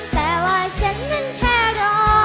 แต่ว่าฉันนั้นแค่รอ